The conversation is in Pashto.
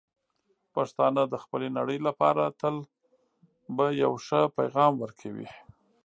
پښتانه د خپلې نړۍ لپاره تل به یو ښه پېغام ورکوي.